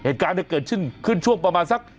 เหตุการณ์นี้เกิดขึ้นชั่วมาสัก